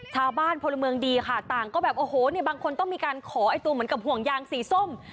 พลเมืองดีค่ะต่างก็แบบโอ้โหเนี่ยบางคนต้องมีการขอไอ้ตัวเหมือนกับห่วงยางสีส้ม